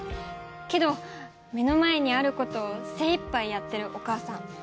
けど目の前にあることを精一杯やってるお母さん。